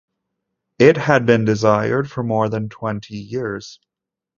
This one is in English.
It had been desired for more than twenty years.